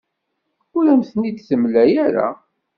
Ur am-ten-id-temla ara.